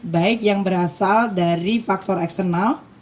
baik yang berasal dari faktor eksternal